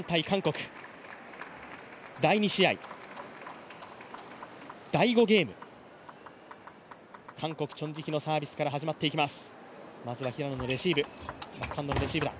第２試合、第５ゲーム、韓国、チョン・ジヒのサービスから始まります。